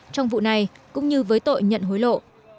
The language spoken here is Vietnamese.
trong vụ này cũng như với tội nhận hối lộ